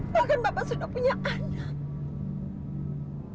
bahkan bapak sudah punya anak